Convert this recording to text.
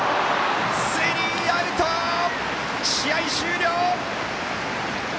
スリーアウト、試合終了。